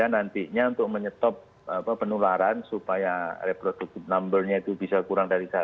nantinya untuk menyetop penularan supaya reproduk numbernya itu bisa kurang dari satu